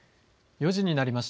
４時になりました。